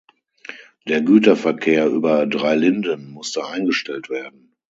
Der Güterverkehr über Dreilinden musste eingestellt werden.